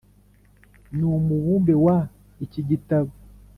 N umubumbe wa iki gitabo